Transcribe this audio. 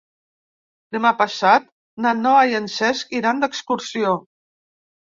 Demà passat na Noa i en Cesc iran d'excursió.